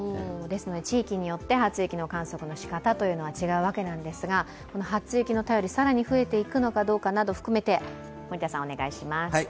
地域によって初雪の観測のしかたというのは違うのですが初雪の便り、更に増えていくのかどうかなどを含めて森田さん、お願いします。